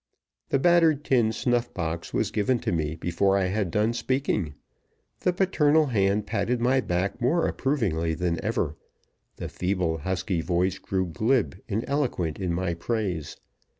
The battered tin snuff box was given to me before I had done speaking; the paternal hand patted my back more approvingly than ever; the feeble, husky voice grew glib and eloquent in my praise.